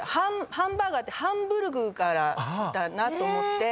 ハンバーガーってハンブルグからだなと思って。